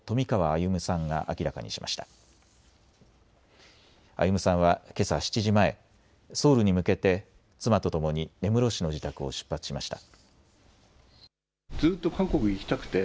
歩さんはけさ７時前、ソウルに向けて妻とともに根室市の自宅を出発しました。